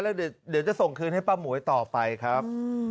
แล้วเดี๋ยวจะส่งคืนให้ป้าหมวยต่อไปครับ